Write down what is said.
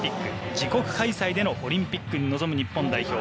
自国開催でのオリンピックに臨む日本代表。